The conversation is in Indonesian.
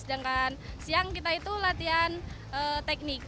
sedangkan siang kita itu latihan teknik